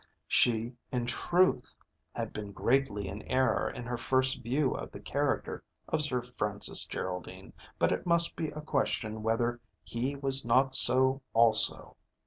She, in truth, had been greatly in error in her first view of the character of Sir Francis Geraldine; but it must be a question whether he was not so also.